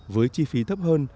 với chi phí thấp hơn